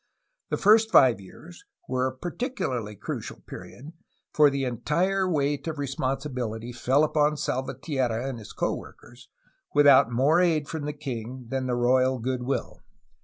The first five years were a particularly crucial period, for the entire weight of responsibility fell upon Salvatierra and his co workers, without more aid from the king than the royal good will.